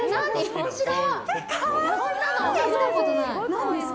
面白い！